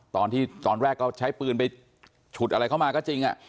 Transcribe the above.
ตอนที่ตอนแรกเขาใช้ปืนไปฉุดอะไรเข้ามาก็จริงอ่ะ